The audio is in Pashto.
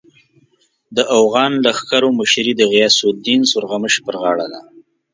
د اوغان لښکرو مشري د غیاث الدین سورغمش پر غاړه ده.